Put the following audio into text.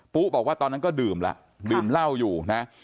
บอกว่าตอนนั้นก็ดื่มแล้วดื่มเหล้าอยู่นะ